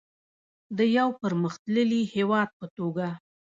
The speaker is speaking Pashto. د یو پرمختللي هیواد په توګه.